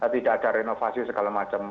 tidak ada renovasi segala macam